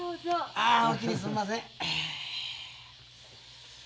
ああおおきにすんません。